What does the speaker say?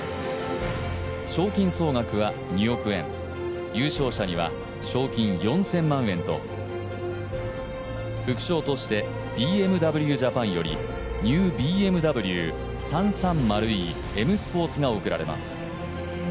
賞金総額は２億円、優勝者には、賞金４０００万円と副賞としてＢＭＷジャパンよりＮＥＷＢＭＷ３３０ｅＭＳｐｏｒｔが贈られます。